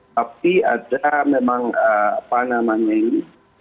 tapi ada memang apa namanya ini